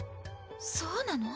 そうなの？